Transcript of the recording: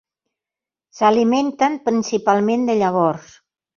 S'alimenten principalment de llavors.